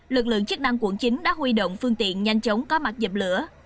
lực lượng chức năng quận chín đã huy động phương tiện nhanh chóng có mặt dập lửa